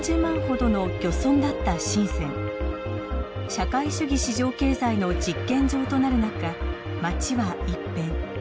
社会主義市場経済の実験場となる中街は一変。